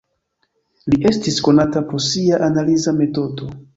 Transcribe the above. Li estis konata pro sia "Analiza Metodo".